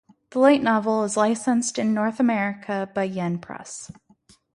The light novel is licensed in North America by Yen Press.